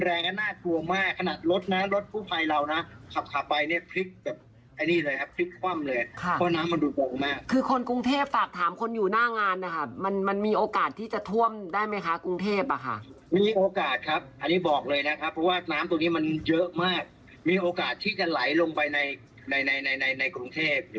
ได้ได้ทันวาแป๊บทันวาแป๊บทันวาแป๊บทันวาแป๊บทันวาแป๊บทันวาแป๊บทันวาแป๊บทันวาแป๊บทันวาแป๊บทันวาแป๊บทันวาแป๊บทันวาแป๊บทันวาแป๊บทันวาแป๊บทันวาแป๊บทันวาแป๊บทันวาแป๊บทันวาแป๊บทันวาแป๊บทันวาแป๊บทันวาแป๊บทันวา